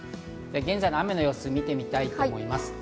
現在の雨の様子を見てみたいと思います。